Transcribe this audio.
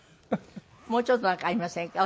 もうちょっとなんかありませんか？